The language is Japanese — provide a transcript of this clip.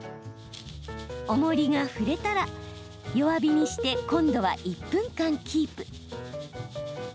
おもりが振れたら弱火にして今度は１分間キープ。